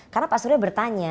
karena pak surya bertanya